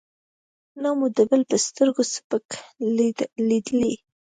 نه مو د بل په سترګو سپک لېدلی.